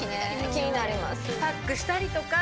気になります。